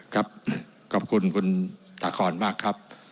ครับขอบคุณคุณถาคอนมากครับ